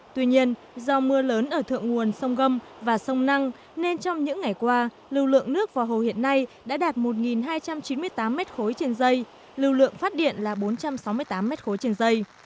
tuy nhiên do mưa lớn ở thượng nguồn sông gâm và sông năng nên trong những ngày qua lưu lượng nước vào hồ hiện nay đã đạt một hai trăm chín mươi tám m ba trên dây lưu lượng phát điện là bốn trăm sáu mươi tám m ba trên dây